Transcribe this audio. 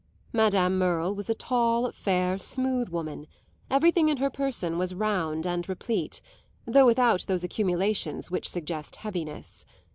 Madame Merle was a tall, fair, smooth woman; everything in her person was round and replete, though without those accumulations which suggest heaviness.